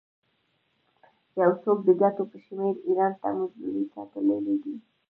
یو څو د ګوتو په شمېر ایران ته مزدورۍ ته تللي دي.